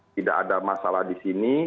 tidak ada masalah di sini